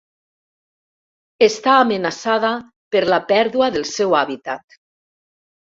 Està amenaçada per la pèrdua del seu hàbitat.